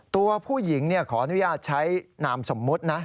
ตัวผู้หญิงขออนุญาตใช้นามสมมุตินะ